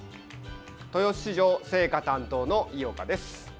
豊洲市場青果担当の井岡です。